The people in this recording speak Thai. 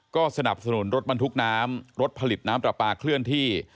ก็สนับสนุนรถบรรทุกน้ำรถผลิตน้ำปลาปลาเคลื่อนที่